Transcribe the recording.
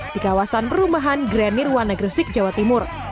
di kawasan perumahan grenirwanagresik jawa timur